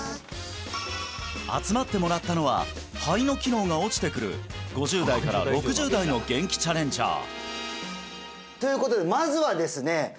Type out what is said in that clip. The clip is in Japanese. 集まってもらったのは肺の機能が落ちてくる５０代から６０代のゲンキチャレンジャーということでまずはですね